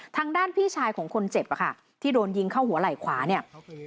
ทางด้านพี่ชายของคนเจ็บอะค่ะที่โดนยิงเข้าหัวไหล่ขวาเนี่ย